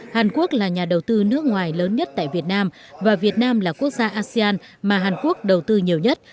hàn quốc là nhà đầu tư nước ngoài lớn nhất tại việt nam và việt nam là quốc gia asean mà hàn quốc đầu tư nhiều nhất